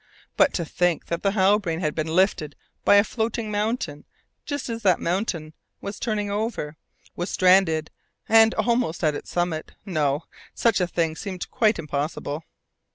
But to think that the Halbrane had been lifted by a floating mountain just as that mountain was turning over, was stranded and almost at its summit no! such a thing seemed quite impossible.